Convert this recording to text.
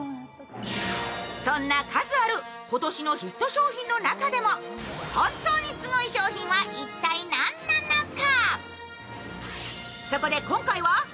そんな数ある今年のヒット商品の中でも本当にすごい商品は一体何なのか？